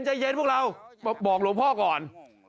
ใจเย็นพวกเราบอกหลวงพ่อก่อน